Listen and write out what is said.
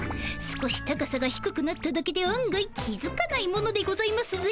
少し高さがひくくなっただけで案外気づかないものでございますぜ。